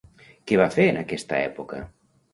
Què va fer en aquesta època?